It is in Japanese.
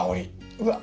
うわ！